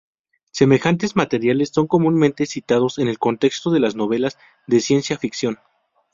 Semejantes materiales son comúnmente citados en el contexto de las novelas de ciencia ficción.